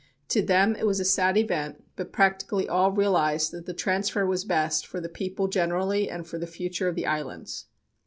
To them it was a sad event, but practically all realized that the transfer was best for the people generally and for the future of the islands.